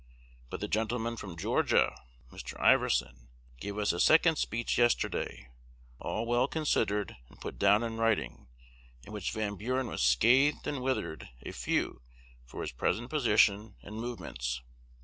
But the gentleman from Georgia (Mr. Iverson) gave us a second speech yesterday, all well considered and put down in writing, in which Van Buren was scathed and withered a "few" for his present position and movements.